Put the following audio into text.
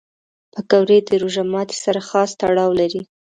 پکورې د روژه ماتي سره خاص تړاو لري